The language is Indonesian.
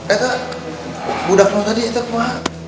itu budakmu tadi itu kemana